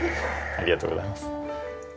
ありがとうございます。